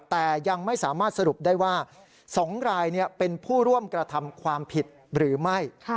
แต่ยังไม่สามารถสรุปได้ว่า๒รายเป็นผู้ร่วมกระทำความผิดหรือไม่